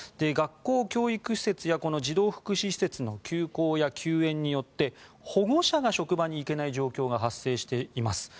学校・教育施設や児童福祉施設の休校や休園によって保護者が職場に行けない状況が発生しています。